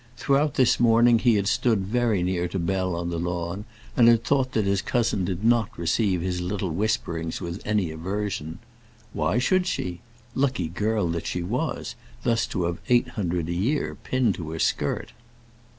Throughout this morning he had stood very near to Bell on the lawn, and had thought that his cousin did not receive his little whisperings with any aversion. Why should she? Lucky girl that she was, thus to have eight hundred a year pinned to her skirt!